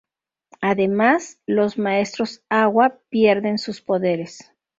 Además los Maestros Agua pierden sus poderes.